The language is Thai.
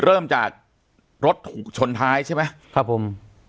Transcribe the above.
เริ่มจากรถถูกชนท้ายใช่ไหมครับผม